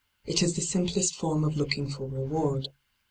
It is the simplest form of looking for reward.